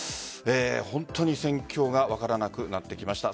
本当に戦況が分からなくなってきました。